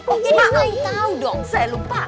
maaf tau dong saya lupa